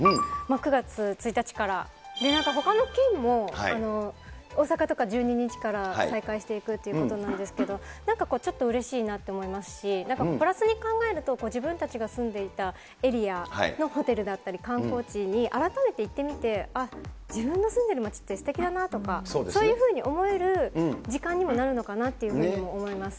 ９月１日から、ほかの県も、大阪とか１２日から再開していくということなんですけど、なんかちょっとうれしいなと思いますし、プラスに考えると、自分たちが住んでいたエリアのホテルだったり、観光地に改めて行ってみて、あっ、自分の住んでる街ってすてきだなとか、そういうふうに思える時間にもなるのかなというふうに思います。